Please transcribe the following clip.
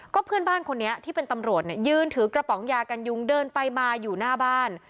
เพื่อนบ้านคนนี้ที่เป็นตำรวจเนี่ยยืนถือกระป๋องยากันยุงเดินไปมาอยู่หน้าบ้าน